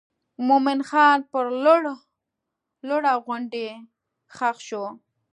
مومن خان پر لوړه غونډۍ ښخ شو.